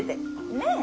ねえ？